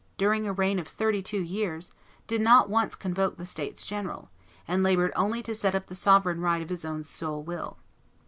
during a reign of thirty two years, did not once convoke the States General, and labored only to set up the sovereign right of his own sole will.